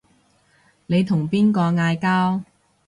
你同邊個嗌交